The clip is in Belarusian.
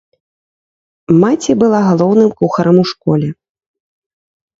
Маці была галоўным кухарам у школе.